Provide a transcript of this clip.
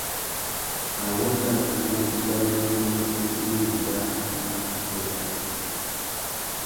Na wanda uwú ibaruménô abú i mà enga nà assôtô yâā.